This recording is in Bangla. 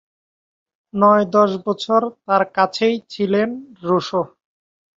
নয়-দশ বছর তার কাছেই ছিলেন রুসো।